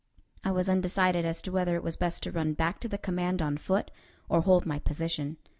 I was undecided as to whether it was best to run back to the command on foot or hold my position.